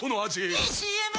⁉いいＣＭ！！